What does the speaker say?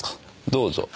どうぞ。